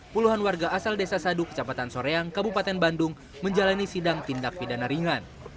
puluhan warga asal desa sadu kecamatan soreang kabupaten bandung menjalani sidang tindak pidana ringan